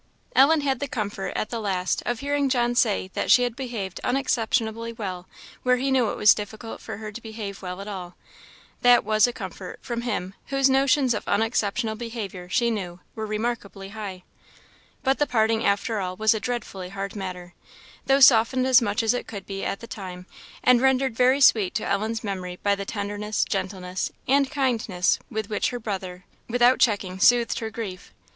Ellen had the comfort, at the last, of hearing John say that she had behaved unexceptionably well where he knew it was difficult for her to behave well at all. That was a comfort, from him, whose notions of unexceptionable behaviour, she knew, were remarkably high. But the parting, after all, was a dreadfully hard matter; though softened as much as it could be at the time, and rendered very sweet to Ellen's memory by the tenderness, gentleness, and kindness with which her brother, without checking, soothed her grief.